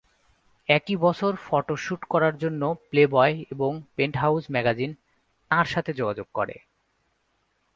একই বছর, photo shoot করার জন্য "প্লেবয়" এবং "পেন্টহাউস ম্যাগাজিন" তাঁর সাথে যোগাযোগ করে।